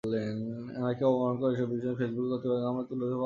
নারীকে অবমাননাকর এসব বিষয় ফেসবুক কর্তৃপক্ষের কাছে আমরা তুলে ধরব, আলোচনা করব।